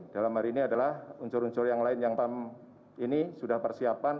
dalam hari ini adalah unsur unsur yang lain yang pam ini sudah persiapan